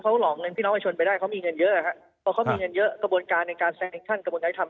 ครับครับ